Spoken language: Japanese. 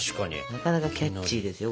なかなかキャッチーですよこれ。